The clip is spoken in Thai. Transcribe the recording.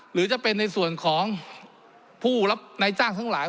หรือจะเป็นในส่วนของผู้รับในจ้างทั้งหลาย